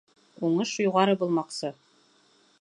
Уңыш юғары булмаҡсы.